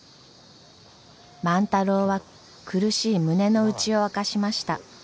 万太郎は苦しい胸の内を明かしました。